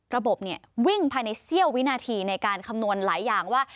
ระบบวิ่งภายในเสี้ยววินาทีในการคำนวณหลายอย่างว่า